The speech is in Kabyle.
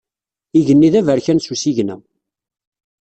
Igenni d aberkan s usigna.